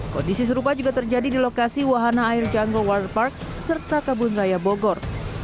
kondisi serupa juga terjadi di lokasi wahana air jungle world park serta kabun raya bogor